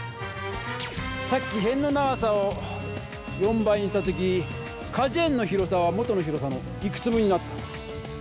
さっきへんの長さを４倍にした時かじゅ園の広さは元の広さのいくつ分になった？